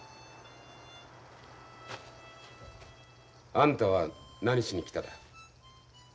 あんたは何しに来ただ。